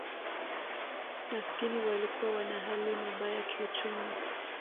Maskini walikuwa wana hali mabaya kiuchumi